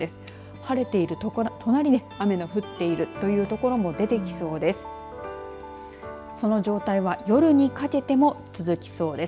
晴れている隣で雨が降っているという所も出てきそうです。